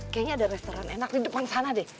kayaknya ada restoran enak di depan sana deh